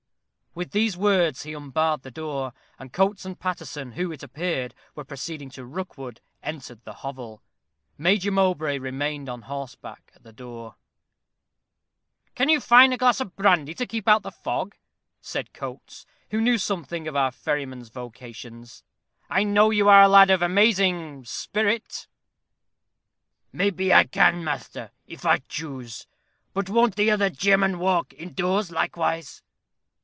With these words he unbarred the door, and Coates and Paterson, who, it appeared, were proceeding to Rookwood, entered the hovel. Major Mowbray remained on horseback at the door. "Can you find us a glass of brandy to keep out the fog?" said Coates, who knew something of our ferryman's vocations. "I know you are a lad of amazing spirit." "May be I can, master, if I choose. But won't the other gemman walk in doors likewise?"